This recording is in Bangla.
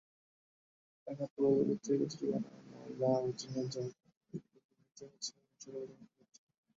এলাকার ডোবাগুলোতে কচুরিপানা, ময়লা-আবর্জনা জমে থাকায় এগুলো পরিণত হয়েছে মশার প্রজননক্ষেত্রে।